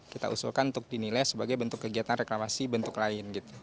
kita usulkan untuk dinilai sebagai bentuk kegiatan reklamasi bentuk lain